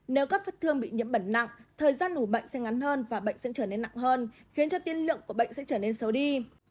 nếu các vết thương bị nhiễm bẩn nặng thời gian ủ bệnh sẽ ngắn hơn và bệnh sẽ trở nên nặng hơn khiến cho tiên lượng của bệnh sẽ trở nên xấu đi